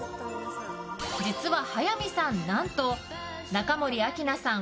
実は、早見さん何と中森明菜さん